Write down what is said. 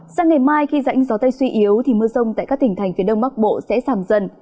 sang ngày mai khi rãnh gió tây suy yếu thì mưa rông tại các tỉnh thành phía đông bắc bộ sẽ giảm dần